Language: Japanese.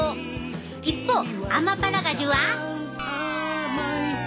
一方アマパラガジュは。